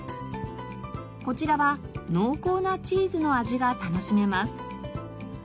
こちらは濃厚なチーズの味が楽しめます。